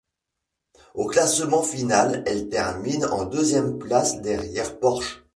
Au classement final, elles terminent en deuxième place derrière Porsche.